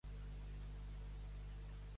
Quan ve coca, coca, i quan ve tallada, tallada.